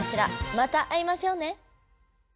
また会いましょうね。